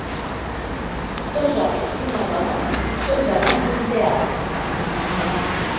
Dos homes i una dona són davant d'un teatre